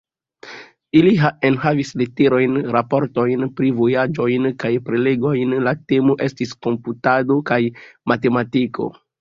Ili enhavis leterojn, raportojn pri vojaĝojn, kaj prelegojn; la temo estis komputado kaj matematiko.